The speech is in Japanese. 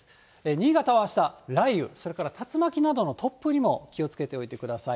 新潟はあした、雷雨、それから竜巻などの突風にも気をつけておいてください。